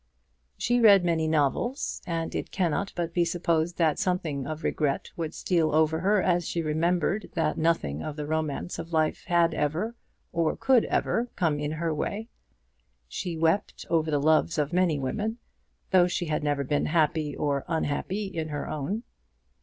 She read many novels, and it cannot but be supposed that something of regret would steal over her as she remembered that nothing of the romance of life had ever, or could ever, come in her way. She wept over the loves of many women, though she had never been happy or unhappy in her own.